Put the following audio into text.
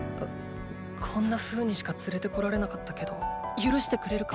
こんなふうにしか連れてこられなかったけど許してくれるか？